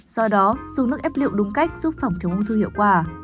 do đó dùng nước ép liệu đúng cách giúp phòng chống ung thư hiệu quả